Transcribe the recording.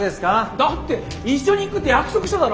だって一緒に行くって約束しただろ。